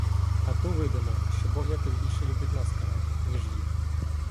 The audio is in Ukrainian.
А ту видимо, що бог якось більше любить нас карати, ніж їх!